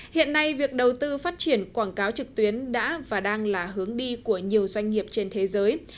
hiện nay việc đầu tư phát triển quảng cáo trực tuyến đã và đang là hướng đi của nhiều doanh nghiệp trên thế giới